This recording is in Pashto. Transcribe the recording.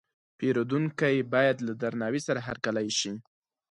پیرودونکی باید له درناوي سره هرکلی شي.